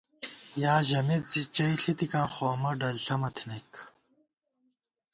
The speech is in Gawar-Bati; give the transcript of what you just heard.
یا ژَمېت زی چَئ ݪِتِکاں خو امہ ڈل ݪمہ تھنَئیک